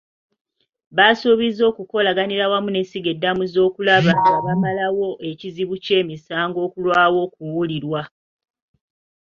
Baasuubizza okukolaganira awamu n'essiga eddamuzi okulaba nga bamalawo ekizibu ky'emisango okulwawo okuwulirwa.